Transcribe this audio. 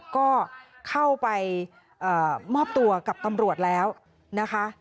ก็เข้าไปมอบตัวกับตำรวจแล้วนะคะ